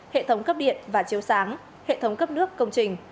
hệ thống cấp điện và chiếu sáng hệ thống cấp nước công trình